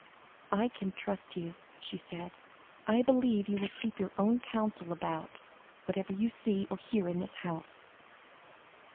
"I can trust you," she said. "I believe you will keep your own counsel about whatever you see or hear in this house."